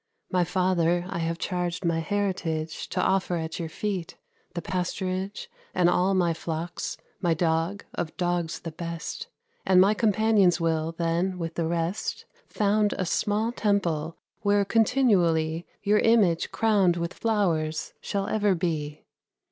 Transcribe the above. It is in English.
My father I have charged my heritage To offer at your feet: the pasturage, And all my flocks, my dog, of dogs the best; And my companions will, then, with the rest, Found a small temple, where continually Your image, crowned with flowers, shall ever be.